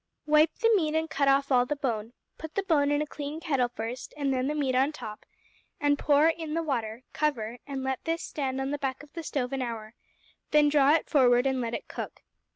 Wipe the meat and cut off all the bone. Put the bone in a clean kettle first, and then the meat on top, and pour in the water; cover, and let this stand on the back of the stove an hour, then draw it forward and let it cook.